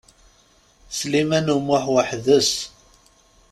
Sliman U Muḥ weḥd-s.